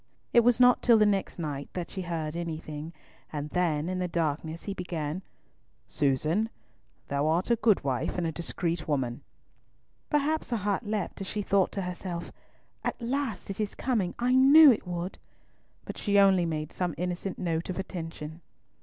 It was not till the next night that she heard anything, and then, in the darkness, he began, "Susan, thou art a good wife and a discreet woman." Perhaps her heart leapt as she thought to herself, "At last it is coming, I knew it would!" but she only made some innocent note of attention.